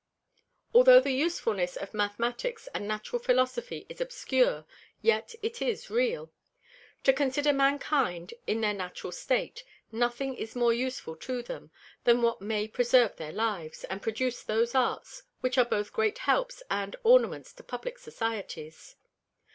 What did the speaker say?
Altho' the Usefulness of Mathematicks and Natural Philosophy is obscure, yet it is real. To consider Mankind in their Natural State, nothing is more useful to them, than what may preserve their Lives, and produce those Arts, which are both great Helps and Ornaments to Publick Societies.